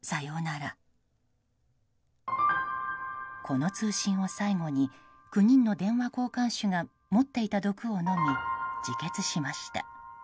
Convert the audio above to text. この通信を最後に９人の電話交換手が持っていた毒を飲み自決しました。